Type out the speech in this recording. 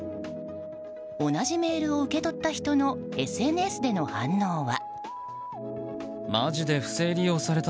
同じメールを受け取った人のＳＮＳでの反応は。